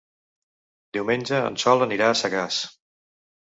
Diumenge en Sol anirà a Sagàs.